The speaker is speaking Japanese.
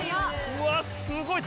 うわっすごい。